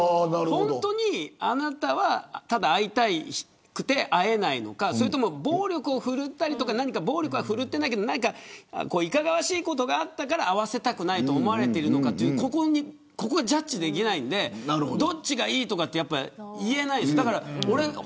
本当に、あなたはただ会いたくて会えないのかそれとも暴力を振るったり暴力は振るってないけどいかがわしいことがあったから会わせたくないと思われているのかここがジャッジできないのでどっちがいいとか言えないし。